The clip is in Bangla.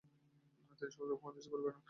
তিনি সমগ্র উপমহাদেশে ঘুরে বেড়ান।